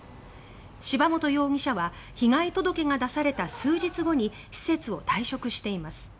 柴本容疑者は被害届が出された数日後に施設を退職しています。